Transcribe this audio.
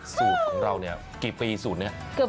สูตรของเราเนี่ยกี่ปีสูตรนี้